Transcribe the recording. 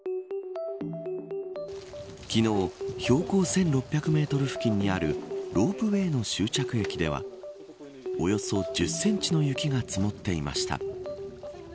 昨日標高１６００メートル付近にあるロープウエーの終着駅ではおよそ１０センチの雪が積もっていました。